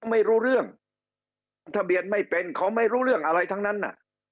ไม่รู้เรื่องทะเบียนไม่เป็นเขาไม่รู้เรื่องอะไรทั้งนั้น